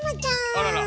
あらら！